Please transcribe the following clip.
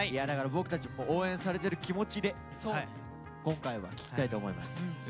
だから僕たちも応援されてる気持ちで今回は聴きたいと思います。